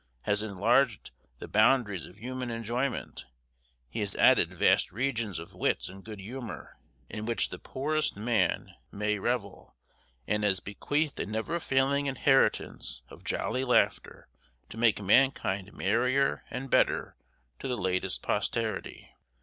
has enlarged the boundaries of human enjoyment; he has added vast regions of wit and good humor, in which the poorest man may revel, and has bequeathed a never failing inheritance of jolly laughter, to make mankind merrier and better to the latest posterity.